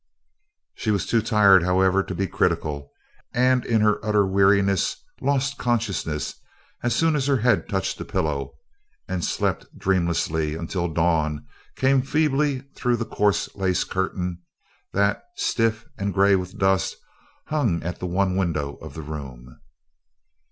She was too tired, however, to be critical and in her utter weariness lost consciousness as soon as her head touched the pillow and slept dreamlessly until the dawn came feebly through the coarse lace curtain that, stiff and gray with dust, hung at the one window of the room.